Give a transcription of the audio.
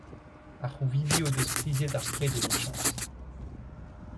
Ar c'houvidi o deus priziet ar pred emichañs.